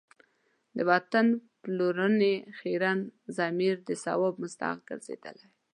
د وطن پلورنې خیرن ضمیر د ثواب مستحق ګرځېدلی.